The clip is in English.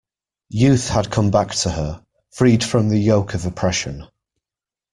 Youth had come back to her, freed from the yoke of oppression.